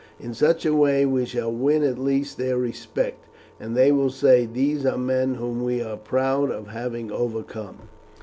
In such a way we shall win at least their respect, and they will say these are men whom we are proud of having overcome."